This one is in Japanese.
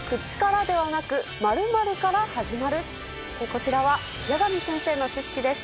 こちらは矢上先生の知識です。